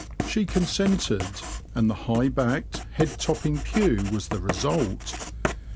She consented, and the high backed, head topping pew was the result.